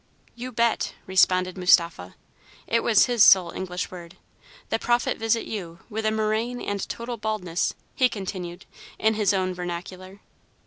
"You bet!" responded Mustapha. It was his sole English word. "The Prophet visit you with a murrain and total baldness!" he continued, in his own vernacular.